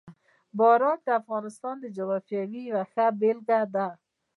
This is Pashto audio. باران د افغانستان د جغرافیې یوه ښه بېلګه ده.